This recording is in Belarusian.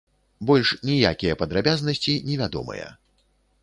Больш ніякія падрабязнасці невядомыя.